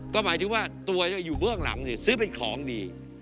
ก็หมายถึงว่าตัวอยู่เบื้องหลังซื้อเป็นของดี